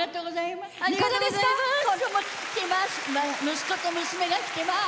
息子と娘が来てます。